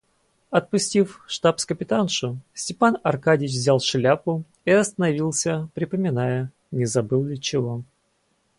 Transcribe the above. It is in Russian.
Отпустив штабс-капитаншу, Степан Аркадьич взял шляпу и остановился, припоминая, не забыл ли чего.